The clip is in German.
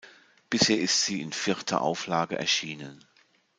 Bisher ist sie in vierter Auflage erschienen.